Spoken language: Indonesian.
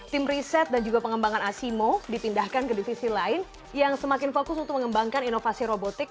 tim riset dan juga pengembangan asimo dipindahkan ke divisi lain yang semakin fokus untuk mengembangkan inovasi robotik